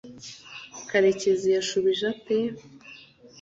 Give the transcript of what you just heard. karekezi yashubije ate